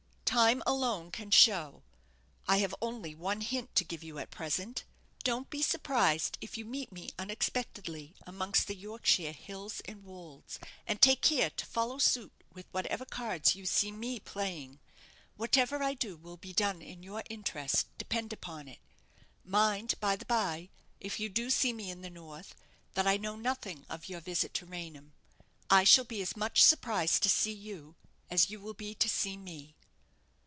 "Time alone can show. I have only one hint to give you at present. Don't be surprised if you meet me unexpectedly amongst the Yorkshire hills and wolds, and take care to follow suit with whatever cards you see me playing. Whatever I do will be done in your interest, depend upon it. Mind, by the bye, if you do see me in the north, that I know nothing of your visit to Raynham. I shall be as much surprised to see you as you will be to see me."